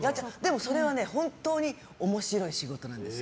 でも、それは本当に面白い仕事なんです。